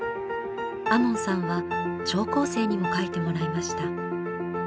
亞門さんは聴講生にも書いてもらいました。